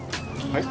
はい？